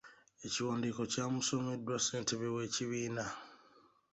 Ekiwandiiko kyamusomeddwa ssentebe w’ekibiina.